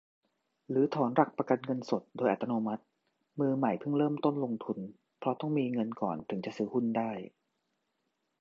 หรือถอนหลักประกันเงินสด โดยอัตโนมัติ มือใหม่เพิ่งเริ่มต้นลงทุน เพราะต้องมีเงินก่อนถึงจะซื้อหุ้นได้